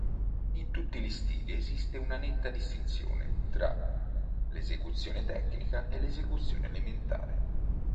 In tutti gli stili esiste una netta distinzione tra l'esecuzione tecnica e l'esecuzione elementare.